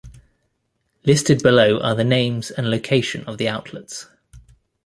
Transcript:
Listed below are the names and location of the outlets.